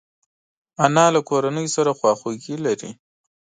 انا له کورنۍ سره خواخوږي لري